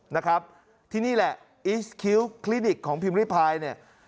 นะครับที่นี่แหละคลินิกของพิมพิภายเนี่ย